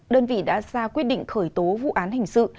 đơn vị đã ra quyết định khởi tố vụ án hình sự